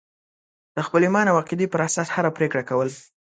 د خپل ایمان او عقیدې پر اساس هره پرېکړه کول.